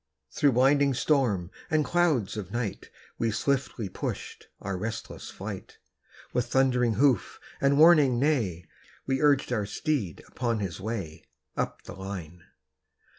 Through blinding storm and clouds of night, We swiftly pushed our restless flight; With thundering hoof and warning neigh, We urged our steed upon his way Up the line.